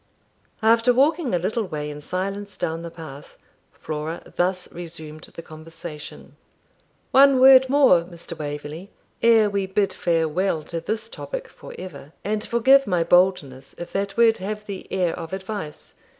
After walking a little way in silence down the path, Flora thus resumed the conversation. 'One word more, Mr. Waverley, ere we bid farewell to this topic for ever; and forgive my boldness if that word have the air of advice.